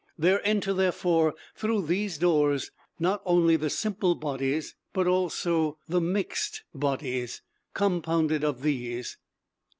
There enter, therefore, through these doors not only the simple bodies, but also the mixed bodies compounded of these.